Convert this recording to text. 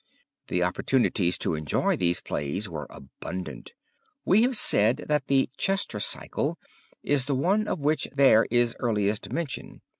The opportunities to enjoy these plays were abundant. We have said that the Chester Cycle is the one of which there is earliest mention.